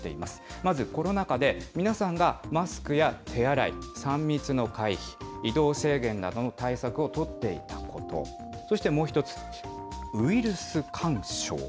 まずコロナ禍で、皆さんがマスクや手洗い、３密の回避、移動制限などの対策を取っていたこと、そしてもう一つ、ウイルス干渉。